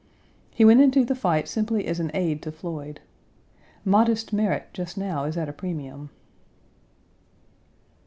He went into the fight simply as an aide to Floyd. Modest merit just now is at a premium.